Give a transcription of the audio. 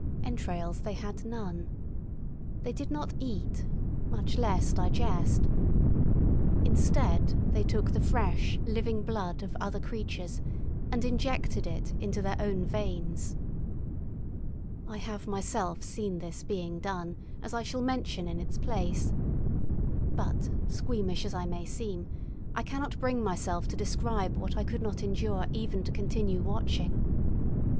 Entrails they had none. They did not eat, much less digest. Instead, they took the fresh, living blood of other creatures, and injected it into their own veins. I have myself seen this being done, as I shall mention in its place. But, squeamish as I may seem, I cannot bring myself to describe what I could not endure even to continue watching.